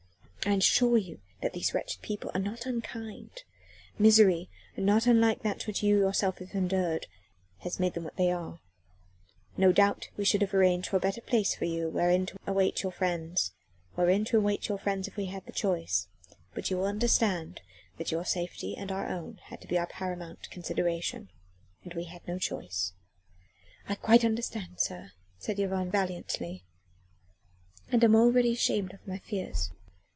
I assure you that these wretched people are not unkind: misery not unlike that which you yourself have endured has made them what they are. No doubt we should have arranged for a better place for you wherein to await your friends if we had the choice. But you will understand that your safety and our own had to be our paramount consideration, and we had no choice." "I quite understand, sir," said Yvonne valiantly, "and am already ashamed of my fears."